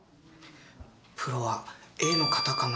プロはＡの方かな？